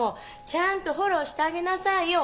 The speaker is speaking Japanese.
ちゃんとフォローしてあげなさいよ。